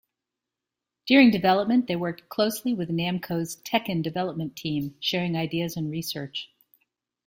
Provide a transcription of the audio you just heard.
During development they worked closely with Namco's "Tekken" development team, sharing ideas and research.